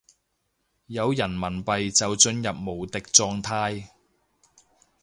有人民幣就進入無敵狀態